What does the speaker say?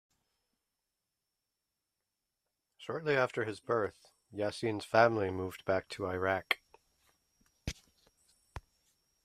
Shortly after his birth, Yasin's family moved back to Iraq.